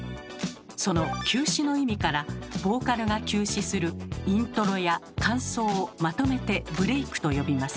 その「休止」の意味からボーカルが休止するイントロや間奏をまとめて「ブレイク」と呼びます。